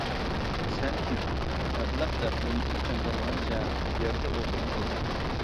سەن كىم؟ ئەبلەخ-دەپ دۈمبىسىنى چاڭگاللىغىنىچە يەردە ئولتۇرۇپ قالدى.